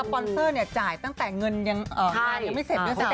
บอนเซอร์เนี่ยจ่ายตั้งแต่เงินยังไม่เสร็จหรือเปล่า